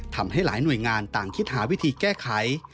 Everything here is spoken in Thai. ทำให้หลายหน่วยงานต่างคิดหาวิธีแก้ไข